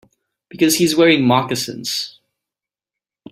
Because he's wearing moccasins.